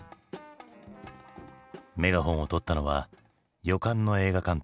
メガホンをとったのは予感の映画監督